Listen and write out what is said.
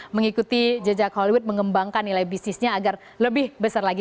mengikuti jejak hollywood mengembangkan nilai bisnisnya agar lebih besar lagi